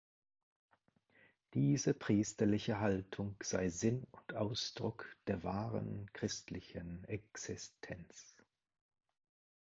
Diese priesterliche Haltung sei Sinn und Ausdruck der wahren christlichen Existenz.